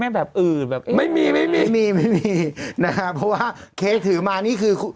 ไม่มีเพราะว่าเคสถือมานี่คือ